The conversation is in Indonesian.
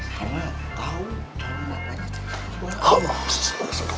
karena tau caranya namanya cikgu anjo